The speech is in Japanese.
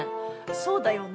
そうだよね！